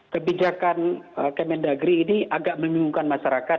kebijakan kementerian negeri ini agak membingungkan masyarakat